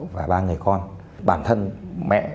và ba người con bản thân mẹ